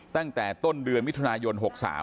ตั้งแต่ต้นเดือนมิถุนายน๖๓